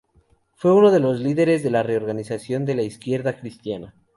Fue uno de los líderes de la reorganización de la Izquierda Cristiana.